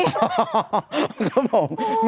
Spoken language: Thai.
อ๋อครับผม